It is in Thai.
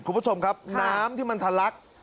ปุ๊ปชมครับน้ำที่มันทารัก